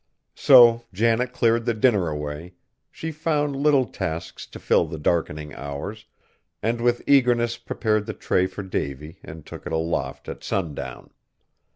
So Janet cleared the dinner away; she found little tasks to fill the darkening hours, and with eagerness prepared the tray for Davy and took it aloft at sundown.